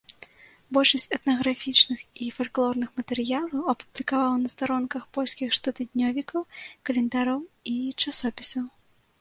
Большасць этнаграфічных і фальклорных матэрыялаў апублікаваў на старонках польскіх штотыднёвікаў, календароў і часопісаў.